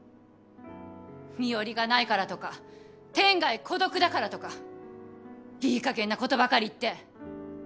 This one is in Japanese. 身寄りがないからとか天涯孤独だからとかいいかげんなことばかり言って。